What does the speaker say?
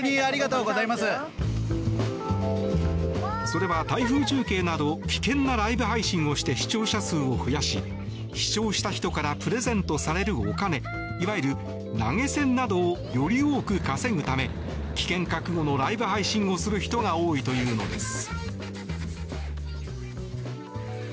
それは、台風中継など危険なライブ配信をして視聴者数を増やし視聴した人からプレゼントされるお金いわゆる投げ銭などをより多く稼ぐため危険覚悟のライブ配信をする人が多いというのです。